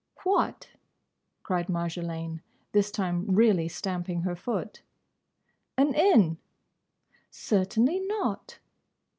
"What?" cried Marjolaine, this time really stamping her foot. "An inn?" "Certainly not."